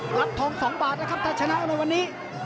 รับทอง๒บาทนะครับถ้าชนะในวันนี้